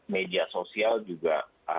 media sosial juga